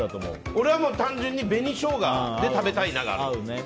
俺は単純に紅ショウガで食べたい。